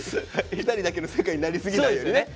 ２人だけの世界になりすぎないようにね。